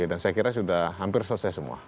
dan saya kira sudah hampir selesai semua